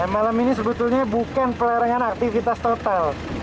malam ini sebetulnya bukan pelarangan aktivitas total